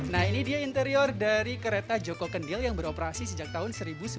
nah ini dia interior dari kereta joko kendil yang beroperasi sejak tahun seribu sembilan ratus sembilan puluh